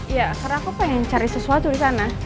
iya karena aku pengen cari sesuatu di sana